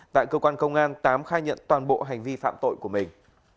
tại cơ quan công an tám khai nhận toàn bộ hành vi phạm tội của mình